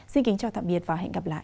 xin kính chào tạm biệt và hẹn gặp lại